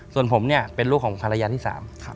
ส่วนผมเนี่ยเป็นลูกของภรรยาที่สาม